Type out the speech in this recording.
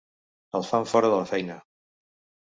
El fan fora de la feina.